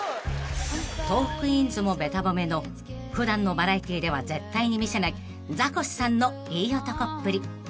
［トークィーンズもべた褒めの普段のバラエティでは絶対に見せないザコシさんの良い男っぷり］